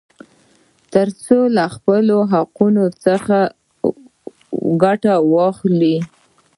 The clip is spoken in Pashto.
ترڅو له خپلو حقوقو څخه ګټه واخلي.